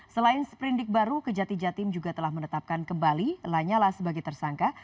selain sprindik baru kejati jatim juga telah menetapkan kembali lanyala sebagai tersangka